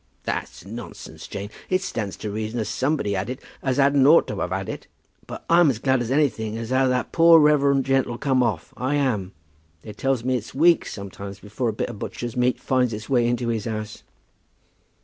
"That's nonsense, Jane. It stands to reason as somebody had it as hadn't ought to have had it. But I'm as glad as anything as how that poor reverend gent 'll come off; I am. They tells me it's weeks sometimes before a bit of butcher's meat finds its way into his house."